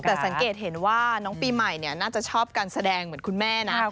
แต่สังเกตเห็นว่าน้องปีใหม่น่าจะชอบการแสดงเหมือนคุณแม่นะ